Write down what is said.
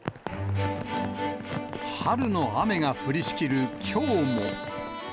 春の雨が降りしきるきょうも。